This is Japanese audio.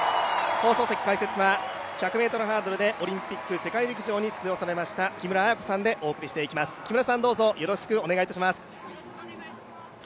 放送席解説は１００ｍハードルでオリンピック・世界陸上に出場した木村文子さんでお送りしていきます、よろしくお願いいたします。